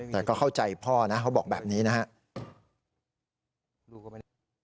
แต่ก็เข้าใจพ่อนะเขาบอกแบบนี้นะครับ